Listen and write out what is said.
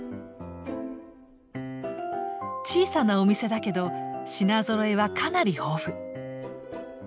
小さなお店だけど品ぞろえはかなり豊富。